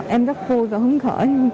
em rất vui và hứng khởi